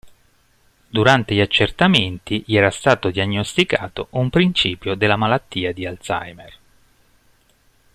Durante gli accertamenti gli era stato diagnosticato un principio della malattia di Alzheimer.